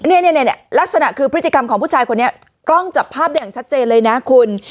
เนี่ยลักษณะคือพฤติกรรมของผู้ชายคนนี้กล้องจับภาพได้อย่างชัดเจนเลยนะคุณ